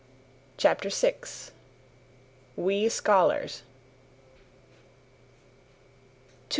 CHAPTER VI. WE SCHOLARS 204.